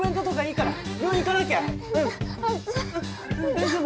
大丈夫？